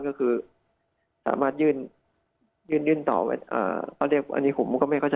ก็คือสามารถยื่นยื่นต่อเขาเรียกอันนี้ผมก็ไม่เข้าใจ